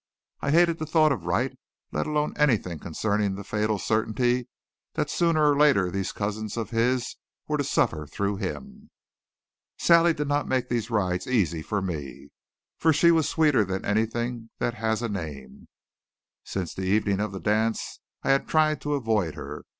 I hated the thought of Wright, let alone anything concerning the fatal certainty that sooner or later these cousins of his were to suffer through him. Sally did not make these rides easy for me, for she was sweeter than anything that has a name. Since the evening of the dance I had tried to avoid her.